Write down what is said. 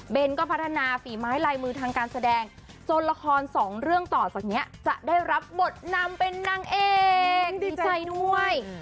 เป็นก็พัฒนาฝีไม้ลายมือทางการแสดงจนละครสองเรื่องต่อจากนี้จะได้รับบทนำเป็นนางเอกดีใจด้วย